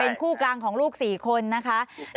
เป็นคู่กลางของลูกสี่คนนะคะคู่กลางใช่ครับ